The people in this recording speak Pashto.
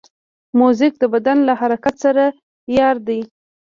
موزیک د بدن له حرکت سره یار دی.